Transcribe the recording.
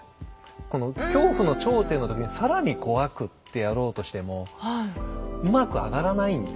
この恐怖の頂点の時に更に怖くってやろうとしてもうまく上がらないんですよね。